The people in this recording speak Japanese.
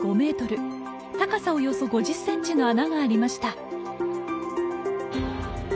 高さおよそ５０センチの穴がありました。